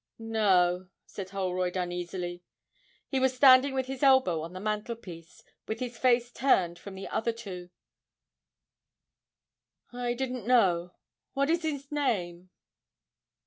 'No,' said Holroyd uneasily; he was standing with his elbow on the mantelpiece, with his face turned from the other two; 'I didn't know what is his name?'